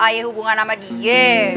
ayah hubungan sama dia